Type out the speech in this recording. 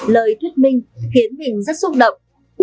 lời thuyết minh khiến mình rất xúc động